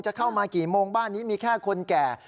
เข้ามากี่โมงบ้านนี้มีแค่คนแก่